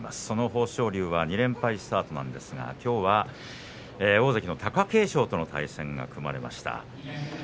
その豊昇龍は２連敗スタートですがきょうは大関の貴景勝との対戦が組まれました。